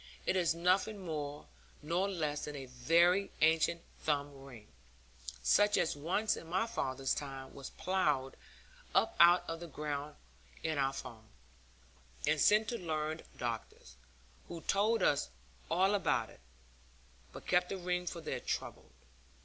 It is nothing more nor less than a very ancient thumb ring, such as once in my father's time was ploughed up out of the ground in our farm, and sent to learned doctors, who told us all about it, but kept the ring for their trouble.